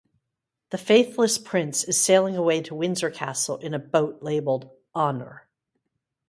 The faithless prince is sailing away to Windsor Castle in a boat labelled "honor".